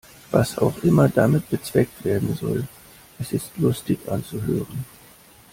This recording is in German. Was auch immer damit bezweckt werden soll, es ist lustig anzuhören.